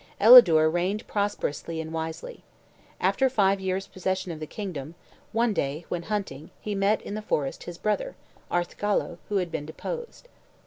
Elidure reigned prosperously and wisely. After five years' possession of the kingdom, one day, when hunting, he met in the forest his brother, Arthgallo, who had been deposed.